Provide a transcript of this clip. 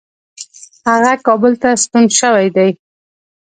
هغه کابل ته ستون شوی دی.